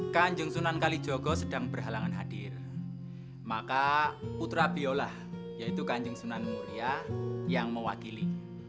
kanjeng sunan kalijogo sedang berhalangan hadir maka putra biolah yaitu kanjeng sunan muria yang mewakili